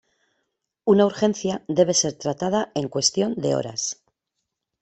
Una urgencia debe ser tratada en cuestión de horas.